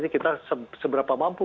kita seberapa mampu